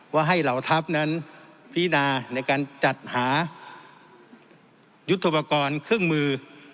ว่าให้เหล่าทัพนั้นพินาในการจัดหายุทธโปรกรณ์เครื่องมือ